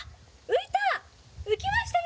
浮いた！